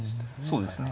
そうですね。